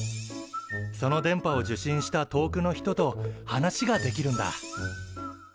その電波を受信した遠くの人と話ができるんだ。